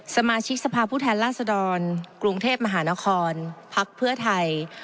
สมาชิกสภาพผู้แทนราษฎรกรุงเทพมหานครพักเพื่อไทย